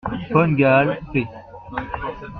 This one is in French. von Gaal, p.